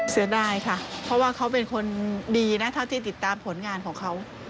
เสียดายค่ะเพราะว่าเขาเป็นคนดีนะเท่าที่ติดตามผลงานของเขา